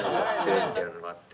みたいなのがあって。